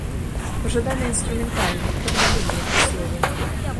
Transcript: Пажадана інструментальнай, каб не думалі пра словы.